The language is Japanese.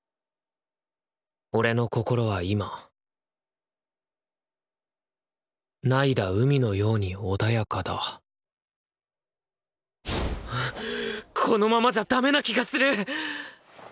俺の心は今凪いだ海のように穏やかだこのままじゃダメな気がする！